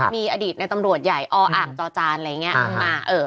มีอดีตในตำรวจออตจอะไรมีอย่างนี้